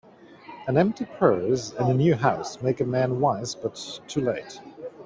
An empty purse, and a new house, make a man wise, but too late